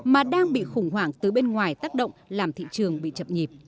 mà đang bị khủng hoảng từ bên ngoài tác động làm thị trường bị chập nhịp